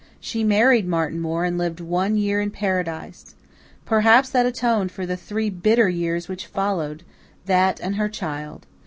She married Martin Moore and lived one year in paradise. Perhaps that atoned for the three bitter years which followed that, and her child.